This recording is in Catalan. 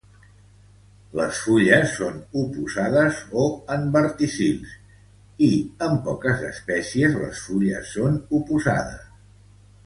Les fulles són oposades o en verticils i en poques espècies les fulles són oposades.